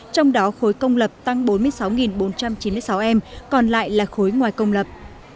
trong đó khối công lập tăng bốn mươi sáu bốn trăm chín mươi sáu em còn lại là khối ngoài công lập